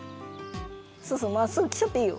そうそうまっすぐきっちゃっていいよ。